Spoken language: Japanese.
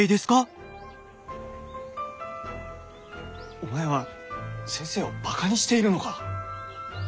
お前は先生をバカにしているのか？